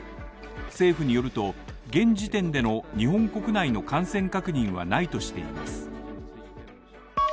政府によると、現時点での日本国内の感染確認はないとしています。